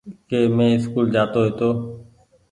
ڪي مين اسڪول جآ تو هيتو